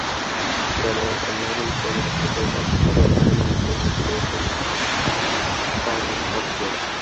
জানুয়ারিতে মার্কিন কর্মকর্তাদের কাছ থেকে অনলাইনে মৃত্যুর হুমকি পেয়েছেন তাঁর মক্কেল।